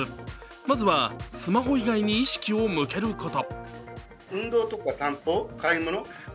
まずはスマホ以外に意識をむけること。